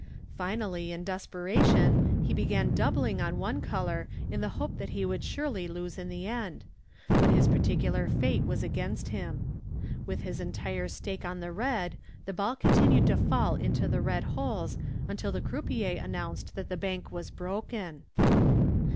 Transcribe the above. Finally in desperation he began doubling on one color in the hope that he would surely lose in the end, but his particular fate was against him. With his entire stake on the red the ball continued to fall into the red holes until the croupier announced that the bank was broken.